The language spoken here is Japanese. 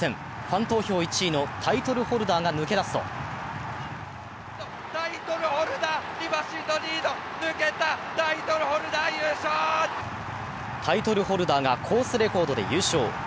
ファン投票１位のタイトルホルダーが抜け出すとタイトルホルダーがコースレコードで優勝。